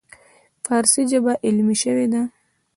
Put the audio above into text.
فارسي ژبه علمي شوې ده.